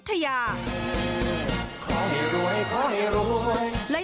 ขอให้รวยขอให้รวยและ